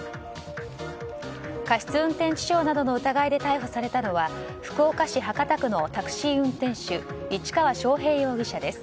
過失運転致傷などの疑いで逮捕されたのは福岡市博多区のタクシー運転手市川祥平容疑者です。